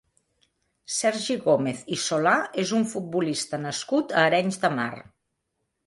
Sergi Gómez i Solà és un futbolista nascut a Arenys de Mar.